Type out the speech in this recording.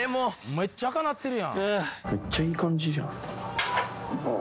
めっちゃ赤なってるやん。